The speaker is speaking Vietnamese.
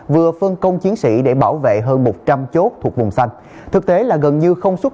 vừa phân công chiến sĩ để bảo vệ hơn một trăm linh chốt thuộc vùng xanh thực tế là gần như không xuất